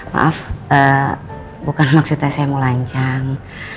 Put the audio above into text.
maaf bukan maksudnya saya mau lancang